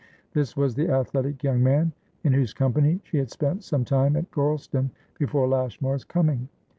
This was the athletic young man in whose company she had spent some time at Gorleston before Lashmar's coming.